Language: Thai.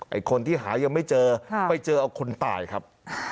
ไอ้คนที่หายังไม่เจอไปเจอเอาคนตายครับ